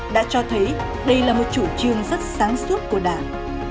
đã cho thấy đây là một chủ trương rất sáng suốt của đảng